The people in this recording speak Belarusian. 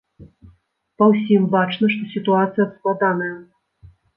Па ўсім бачна, што сітуацыя складаная!